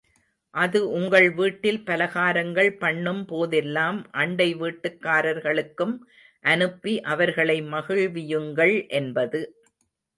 அது, உங்கள் வீட்டில் பலகாரங்கள் பண்ணும் போதெல்லாம், அண்டை வீட்டுக்காரர்களுக்கும் அனுப்பி அவர்களை மகிழ்வியுங்கள் என்பது.